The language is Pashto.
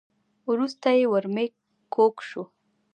وروسته یې ورمېږ کوږ شو .